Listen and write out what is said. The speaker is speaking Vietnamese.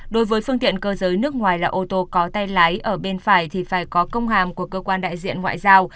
đối với phương tiện cơ giới nước ngoài là ô tô có tay lái ở bên phải thì phải có công hàm của cơ quan đại diện ngoại giao